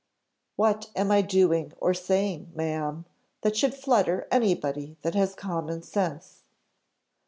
"What am I doing or saying, ma'am, that should flutter anybody that has common sense?"